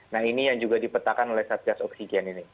nah ini yang juga dipetakan oleh satgas oksigen ini